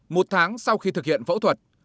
một tháng sau khi thực hiện phẫu thuật